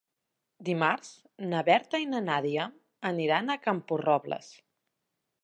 Dimarts na Berta i na Nàdia iran a Camporrobles.